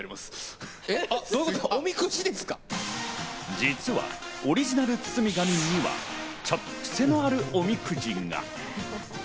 実はオリジナル包み紙にはちょっとクセのあるおみくじが。